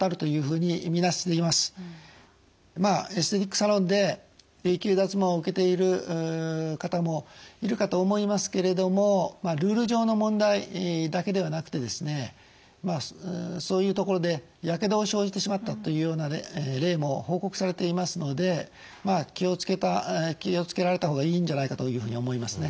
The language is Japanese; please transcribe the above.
まあエステティックサロンで永久脱毛を受けている方もいるかと思いますけれどもルール上の問題だけではなくてそういうところでやけどを生じてしまったというような例も報告されていますので気を付けられた方がいいんじゃないかというふうに思いますね。